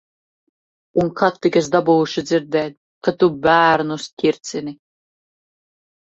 Un kad tik es dabūšu dzirdēt, ka tu bērnus ķircini.